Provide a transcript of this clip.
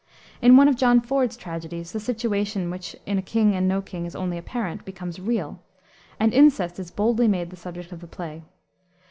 In one of John Ford's tragedies, the situation which in A King and No King is only apparent, becomes real, and incest is boldly made the subject of the play.